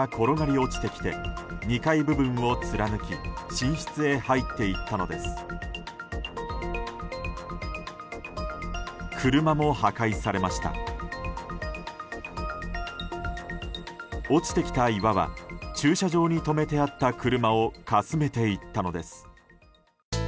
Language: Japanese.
落ちてきた岩は駐車場に止めてあった車をかすめていったのです。